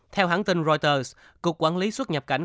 theo hãng tin reuters cục quản lý xuất nhập cảnh